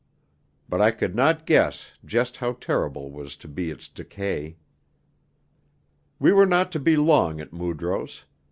But I could not guess just how terrible was to be its decay. II We were not to be long at Mudros.